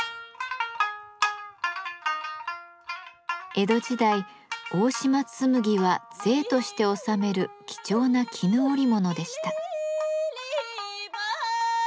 江戸時代大島紬は税として納める貴重な絹織物でした。